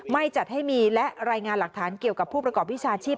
จัดให้มีและรายงานหลักฐานเกี่ยวกับผู้ประกอบวิชาชีพ